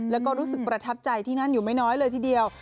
แล้วก็รู้สึกประทับใจที่นั่นอยู่ไม่น้อยเลยทีเดียว